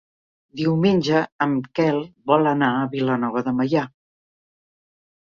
Diumenge en Quel vol anar a Vilanova de Meià.